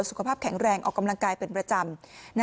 สุขภาพแข็งแรงออกกำลังกายเป็นประจำ